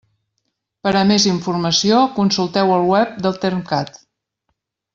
Per a més informació, consulteu el web del Termcat.